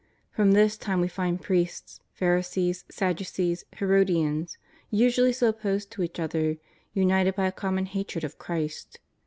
From this time we find priests, Pharisees, Sadducees, Herodians, usually so opposed to each other, united by a common hatred of Christ.